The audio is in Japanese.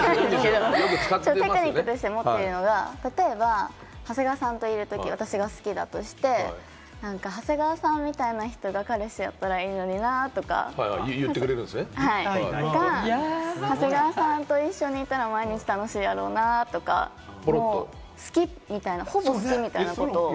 例えば私がよく、よく使うって言ったらあれなんですけれども、テクニックとして持っているのが、例えば長谷川さんといるとき、私が好きだとして、長谷川さんみたいな人が彼氏だったらいいのにな！とか、長谷川さんと一緒にいたら毎日楽しいやろなぁとか、好きみたい、ほぼ、好きみたいなことを。